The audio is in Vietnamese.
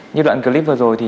như đoạn clip vừa rồi